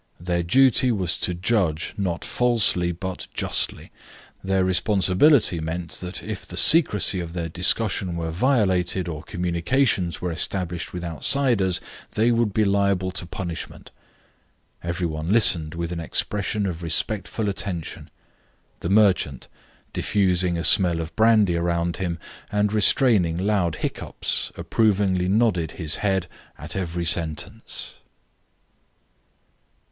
Their duty was to judge not falsely, but justly. Their responsibility meant that if the secrecy of their discussion were violated, or communications were established with outsiders, they would be liable to punishment. Every one listened with an expression of respectful attention. The merchant, diffusing a smell of brandy around him, and restraining loud hiccups, approvingly nodded his head at every sentence.